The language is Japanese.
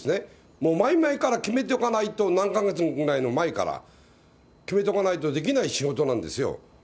もう前々から決めておかないと、何か月ぐらい前から決めとかないとできない仕事なんですよ。